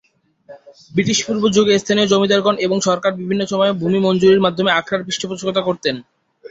ব্রিটিশপূর্ব যুগে স্থানীয় জমিদারগণ এবং সরকারও বিভিন্ন সময়ে ভূমি মঞ্জুরির মাধ্যমে আখড়ার পৃষ্ঠপোষকতা করতেন।